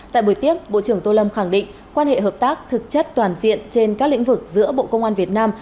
tại buổi tiếp bộ trưởng tô lâm khẳng định quan hệ hợp tác thực chất toàn diện trên các lĩnh vực giữa bộ công an việt nam